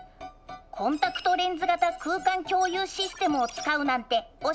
コンタクトレンズ型空間共有システムを使うなんておしゃれですね。